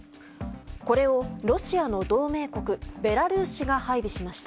これを、ロシアの同盟国ベラルーシが配備しました。